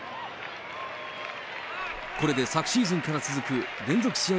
これで昨シーズンから続く連続試合